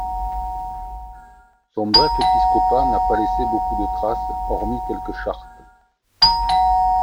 Son bref épiscopat n'a pas laissé beaucoup de traces, hormis quelques chartes.